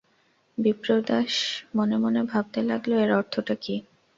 বিপ্রদাস মনে মনে ভাবতে লাগল এর অর্থটা কী?